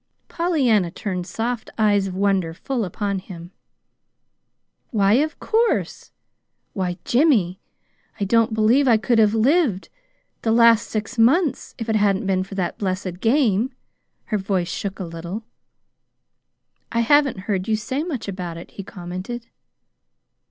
Pollyanna turned soft eyes of wonder full upon him. "Why, of course! Why, Jimmy, I don't believe I could have lived the last six months if it hadn't been for that blessed game." Her voice shook a little. "I haven't heard you say much about it," he commented.